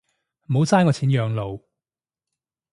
唔好嘥我錢養老